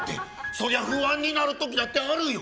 そりゃ不安になる時だってあるよ。